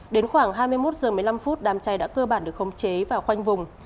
đến khoảng hai mươi một h một mươi năm phút đám cháy đã cơ bản được khống chế và khoanh vùng